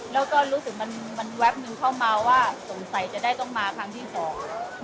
แล้วก็รู้สึกมันมันแป๊บนึงเข้ามาว่าสงสัยจะได้ต้องมาครั้งที่สอง